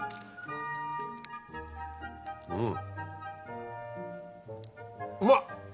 うん。